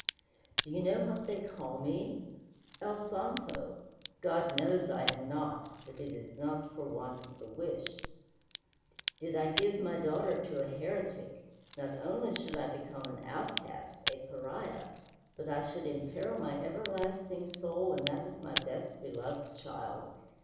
Do you know what they call me? El santo. God knows I am not, but it is not for want of the wish. Did I give my daughter to a heretic, not only should I become an outcast, a pariah, but I should imperil my everlasting soul and that of my best beloved child.